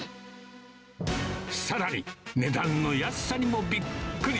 さらに、値段の安さにもびっくり。